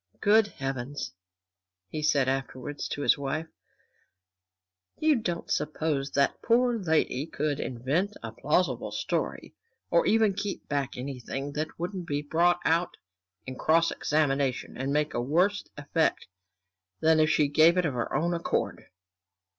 Good Heavens," he said afterwards to his wife, "you don't suppose that the poor lady could invent a plausible story, or even keep back anything that wouldn't be brought out in cross examination and make a worse effect than if she gave it of her own accord!"